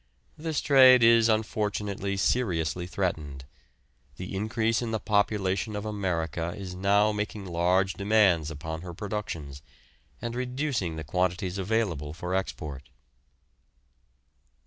This trade is unfortunately seriously threatened. The increase in the population of America is now making large demands upon her productions, and reducing the quantities available for export.